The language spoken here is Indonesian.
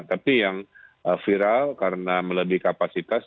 tapi yang viral karena melebihi kapasitas